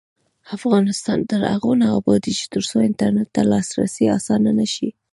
افغانستان تر هغو نه ابادیږي، ترڅو انټرنیټ ته لاسرسی اسانه نشي.